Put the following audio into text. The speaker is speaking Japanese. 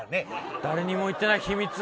誰にも言ってない秘密。